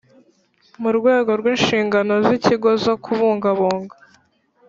Mu rwego rw inshingano z ikigo zo kubungabunga